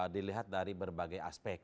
dilihat dari berbagai aspek